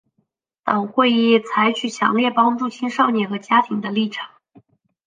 党会议采取强烈帮助青少年和家庭的立场。